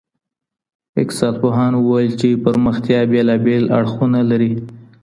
اقتصاد پوهانو وويل چي پرمختيا بېلابېل اړخونه لري.